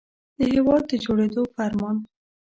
د هېواد د جوړېدو په ارمان.